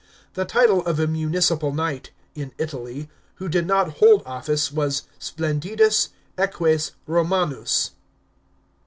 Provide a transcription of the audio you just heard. The title of a municipal knight (in Italy) who did not hold office was xplendidus eques Rom<mus.